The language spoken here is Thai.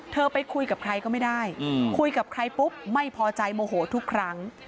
ไปคุยกับใครก็ไม่ได้คุยกับใครปุ๊บไม่พอใจโมโหทุกครั้ง